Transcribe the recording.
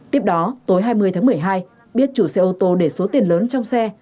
tiếp đó tối hai mươi tháng một mươi hai biết chủ xe ô tô để số tiền lớn trong xe